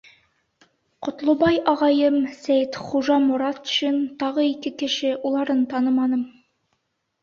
— Ҡотлобай ағайым, Сәйетхужа Моратшин, тағы ике кеше, уларын таныманым.